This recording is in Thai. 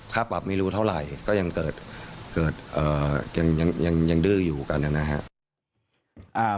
ค่าปรับไม่รู้เท่าไหร่ก็ยังเกิดยังดื้ออยู่กันนะครับ